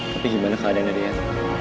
tapi gimana keadaan dari dian